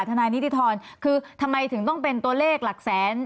ทนายนิติธรคือทำไมถึงต้องเป็นตัวเลขหลักแสน